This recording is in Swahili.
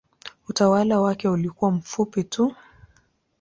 Utawala wake ulikuwa mfupi tu.